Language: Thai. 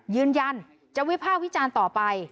ยืนยันจะวิภาควิจารณ์ต่อไป